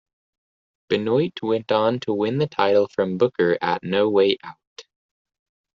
Benoit went on to win the title from Booker at No Way Out.